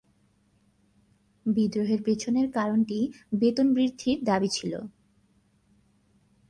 বিদ্রোহের পেছনের কারণটি বেতন বৃদ্ধির দাবি ছিল।